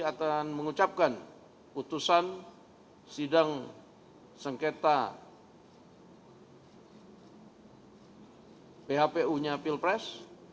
akan mengucapkan putusan sidang sengketa phpu nya pilpres